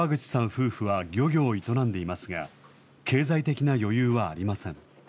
夫婦は漁業を営んでいますが、経済的な余裕はありません。